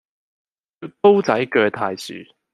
刀仔据大樹